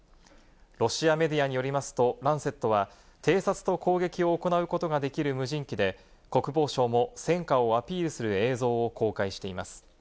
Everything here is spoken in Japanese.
ロシアメディアによりますと、ランセットは偵察と攻撃を行うことができる無人機で国防省も戦果をアピールする映像を公開しています。